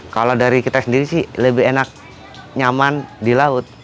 kalau dari kita sendiri sih lebih enak nyaman di laut